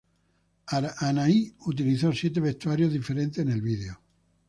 Anahí utilizó siete vestuarios diferentes en el video.